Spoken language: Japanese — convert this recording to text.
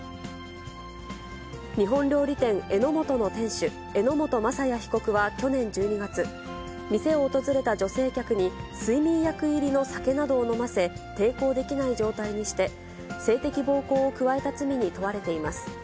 日本料理店、榎本の店主、榎本正哉被告は去年１２月、店を訪れた女性客に、睡眠薬入りの酒などを飲ませ、抵抗できない状態にして、性的暴行を加えた罪に問われています。